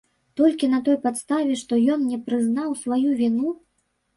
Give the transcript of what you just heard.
Толькі на той падставе, што ён не прызнаў сваю віну?